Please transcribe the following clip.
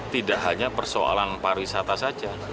tidak hanya persoalan pariwisata saja